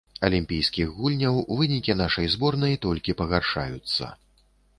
Алімпійскіх гульняў, вынікі нашай зборнай толькі пагаршаюцца.